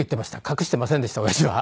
隠していませんでした親父は。